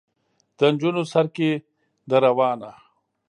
د نجونو سر کې ده روانه.